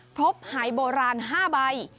พบหายโบราณ๕ใบ